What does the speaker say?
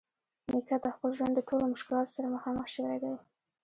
نیکه د خپل ژوند د ټولو مشکلاتو سره مخامخ شوی دی.